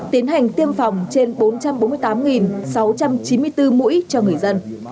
tiến hành tiêm phòng trên bốn trăm bốn mươi tám sáu trăm chín mươi bốn mũi cho người dân